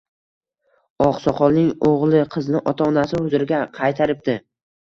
Oqsoqolning o‘g‘li qizni ota-onasi huzuriga qaytaribdi